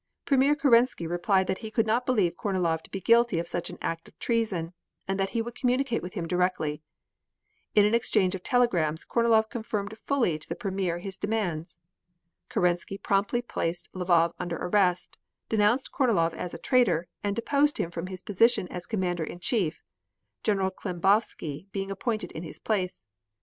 Premier Kerensky replied that he could not believe Kornilov to be guilty of such an act of treason, and that he would communicate with him directly. In an exchange of telegrams Kornilov confirmed fully to the Premier his demands. Kerensky promptly placed Lvov under arrest, denounced Kornilov as a traitor and deposed him from his position as Commander in Chief, General Klembovsky being appointed in his place.